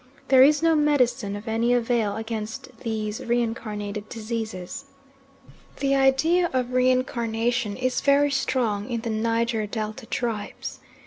There is no medicine of any avail against these reincarnated diseases. The idea of reincarnation is very strong in the Niger Delta tribes.